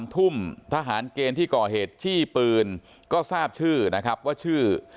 ทุ่มทหารเกณฑ์ที่ก่อเหตุจี้ปืนก็ทราบชื่อนะครับว่าชื่อ